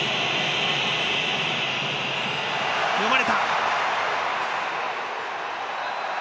読まれた！